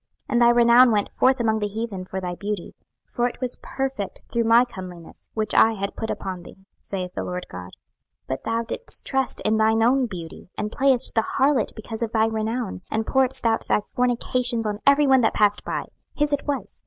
26:016:014 And thy renown went forth among the heathen for thy beauty: for it was perfect through my comeliness, which I had put upon thee, saith the Lord GOD. 26:016:015 But thou didst trust in thine own beauty, and playedst the harlot because of thy renown, and pouredst out thy fornications on every one that passed by; his it was.